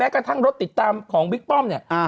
กระทั่งรถติดตามของบิ๊กป้อมเนี่ย